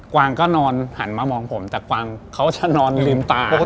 วางก็นอนหันมามองผมแต่กวางเขาจะนอนลืมตา